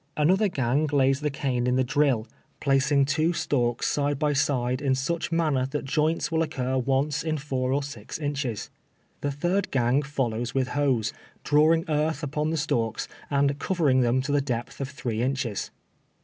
Another gang lays the cane in the drill, placing two stalks side by side in such manner tliat joints will occur once in four or six inches. The third gang follows with hoes, drawing earth upon the stalks, and covering them to the depth of three inches.